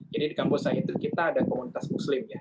jadi di kampus saya itu kita ada komunitas muslim ya